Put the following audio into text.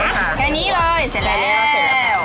แค่นี้เลยเสร็จแล้ว